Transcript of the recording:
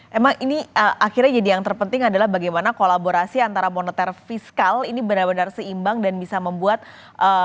memang ini akhirnya jadi yang terpenting adalah bagaimana kolaborasi antara moneter fiskal ini benar benar seimbang dan bisa membuat